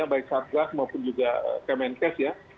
baik satgas maupun juga kemenkes ya